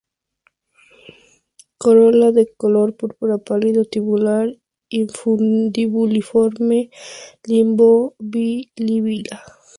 Corola de color púrpura pálido, tubular-infundibuliforme, limbo bilabiado.